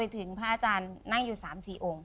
ถึงพระอาจารย์นั่งอยู่๓๔องค์